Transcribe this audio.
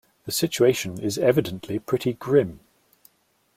The situation is evidently pretty grim.